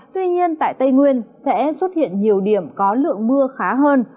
tuy nhiên tại tây nguyên sẽ xuất hiện nhiều điểm có lượng mưa khá hơn